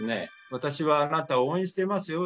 「私はあなたを応援してますよ！」